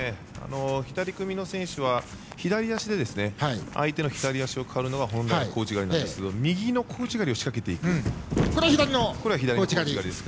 左組みの選手は左足で相手の左足を刈るのが本来の小内刈りなんですが右の小内刈りを仕掛けていきます。